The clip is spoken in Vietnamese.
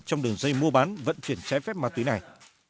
trong đường dây mua bán vận chuyển trái phép ma túy này